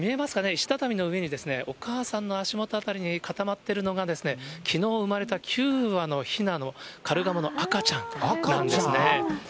石畳の上に、お母さんの足元辺りに固まっているのが、きのう生まれた９羽のひなのカルガモの赤ちゃんなんですね。